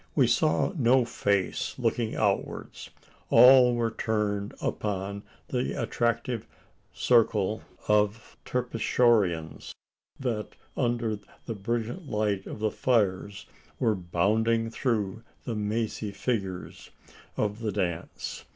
We saw no face looking outwards. All were turned upon the attractive circle of Terpsichoreans, that, under the brilliant light of the fires, were bounding through the mazy figures, of the dance.